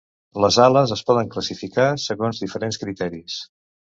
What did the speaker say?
Les ales es poden classificar segons diferents criteris.